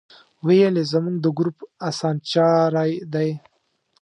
ویل یې زموږ د ګروپ اسانچاری دی.